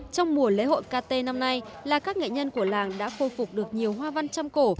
trong mùa lễ hội kt năm nay là các nghệ nhân của làng đã khôi phục được nhiều hoa văn trăm cổ